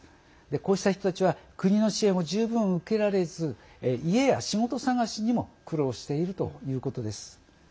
こうした人たちは国の支援を十分受けられず家や仕事探しにも苦労しているということです。